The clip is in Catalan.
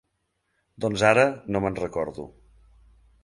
Doncs ara no me'n recordo.